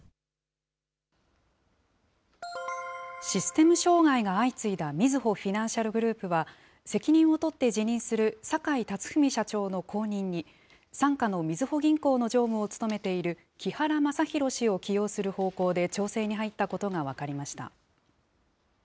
システム障害が相次いだみずほフィナンシャルグループは、責任を取って辞任する坂井辰史社長の後任に、傘下のみずほ銀行の常務を務めている木原正裕氏を起用する方向で調整に入ったことが分かりました。